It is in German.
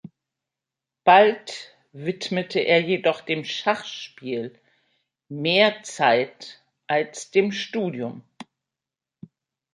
Bald widmete er jedoch dem Schachspiel mehr Zeit als dem Studium.